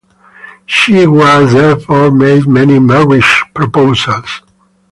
She was therefore made many marriage proposals.